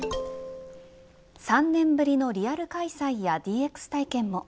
３年ぶりのリアル開催やＤＸ体験も。